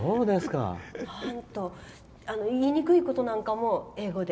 言いにくいことなんかも英語で？